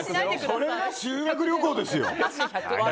それが修学旅行ですよ。